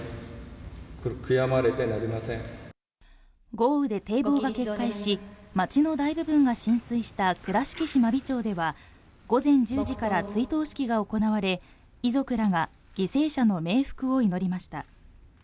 豪雨で堤防が決壊し、町の大部分が浸水した倉敷市真備町では午前１０時から追悼式が行われ、遺族らが犠牲者の冥福を祈りました。